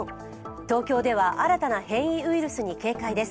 東京では新たな変異ウイルスに警戒です。